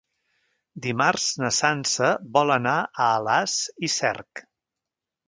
Dimarts na Sança vol anar a Alàs i Cerc.